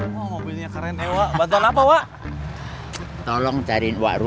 mau minta bantuan nih